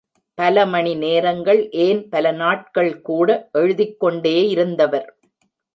பல மணி நேரங்கள் ஏன் பல நாட்கள் கூட எழுதிக் கொண்டே இருந்தவர்.